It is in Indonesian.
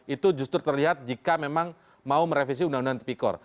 itu justru terlihat jika memang mau merevisi undang undang tipikor